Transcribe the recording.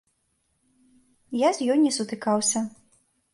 Я з ёй не сутыкаўся.